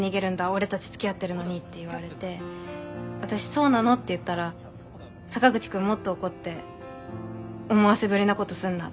俺たちつきあってるのに」って言われて私「そうなの？」って言ったら坂口くんもっと怒って「思わせぶりなことすんな」